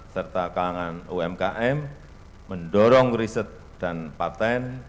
serta kalangan umkm mendorong riset dan patent